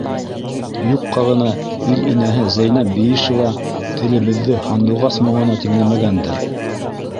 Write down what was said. Юҡҡа ғына ил инәһе Зәйнәб Биишева телебеҙҙе һандуғас моңона тиңләмәгәндер!